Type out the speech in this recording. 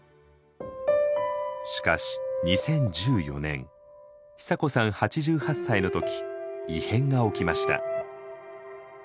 しかし２０１４年久子さん８８歳の時異変が起きました。